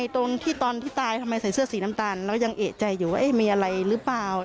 ที่ตอนที่ตายทำไมใส่เสื้อสีน้ำตาลแล้วยังเอ๋ใจอยู่ว่าเอ๊ะมีอะไรรึเปล่า